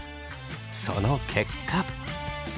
その結果。